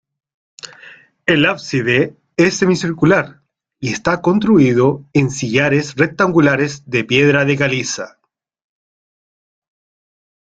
El ábside es semicircular y está construido en sillares rectangulares de piedra de caliza.